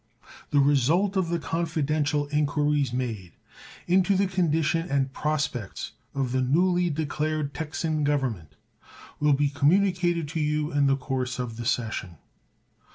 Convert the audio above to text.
The result of the confidential inquiries made into the condition and prospects of the newly declared Texan Government will be communicated to you in the course of the session.